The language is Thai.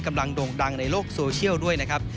โด่งดังในโลกโซเชียลด้วยนะครับ